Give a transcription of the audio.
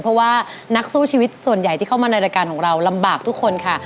เพราะว่านักสู้ชีวิตส่วนใหญ่ที่เข้ามาในรายการของเราลำบากทุกคนค่ะ